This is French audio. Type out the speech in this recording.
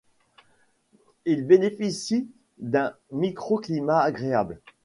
Il bénéficie d'un micro-climat agréable.